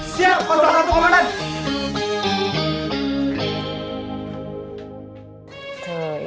siap pasukan ratu komandan